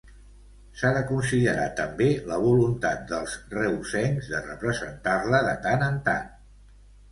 S'ha de considerar també la voluntat dels reusencs de representar-la de tant en tant.